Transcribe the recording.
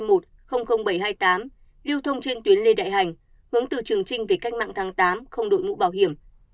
lưu thông trên tuyến lê đại hành hướng từ trường trinh về cách mạng tháng tám không đội mũ bảo hiểm